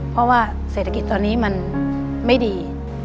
เพราะว่าเศรษฐกิจตอนนี้มันไม่ดี